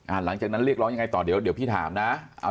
๕๐๐๐๐อ่ะหลังจากนั้นเรียกร้องยังไงต่อเดี๋ยวพี่ถามนะเอา